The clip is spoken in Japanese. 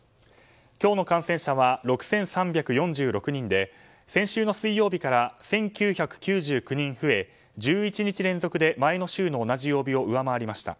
今日の感染者は６３４６人で先週の水曜日から１９９９人増え１１日連続で前の週の同じ曜日を上回りました。